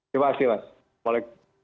terima kasih mas